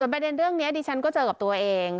ประเด็นเรื่องนี้ดิฉันก็เจอกับตัวเอง